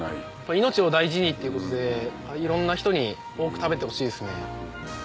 命を大事にっていうことでいろんな人に多く食べてほしいですね。